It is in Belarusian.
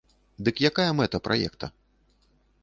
Дык якая мэта праекта?